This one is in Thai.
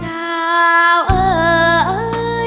ดาวเอ้ยก่อนนั้นเจ้าคิดว่า